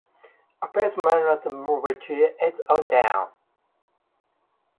A piece may not move to its own den.